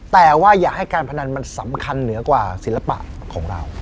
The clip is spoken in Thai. แต่ว่าอย่าให้การพนันมันสำคัญเหนือกว่าศิลปะของเรา